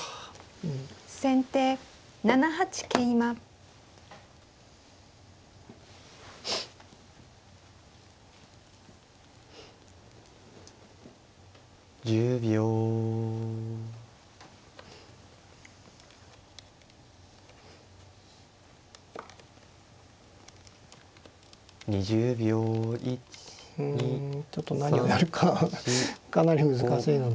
うんちょっと何をやるかかなり難しいので。